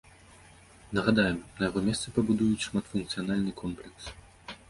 Нагадаем, на яго месцы пабудуюць шматфункцыянальны комплекс.